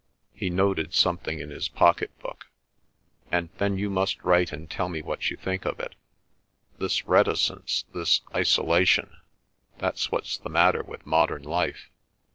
He noted something in his pocket book. "And then you must write and tell me what you think of it. This reticence—this isolation—that's what's the matter with modern life!